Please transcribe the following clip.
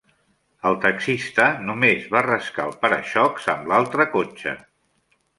El taxista només va rascar el para-xocs amb l'altre cotxe.